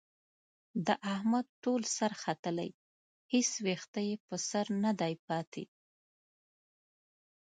د احمد ټول سر ختلی، هېڅ وېښته یې په سر ندی پاتې.